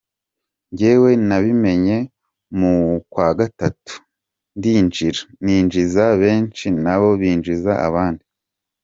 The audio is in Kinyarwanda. Njyewe nabimenye mu kwa gatatu ndinjira, ninjiza benshi nabo binjiza abandi.